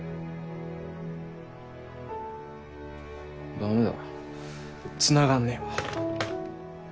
ダメだつながんねえわ。